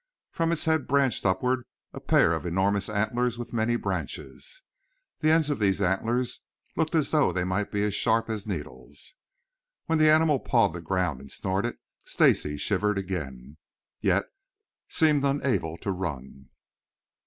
From its head branched upward a pair of enormous antlers with many branches. The ends of these antlers looked as though they might be as sharp as needles. When the animal pawed the ground and snorted Stacy shivered again, yet seemed unable to run.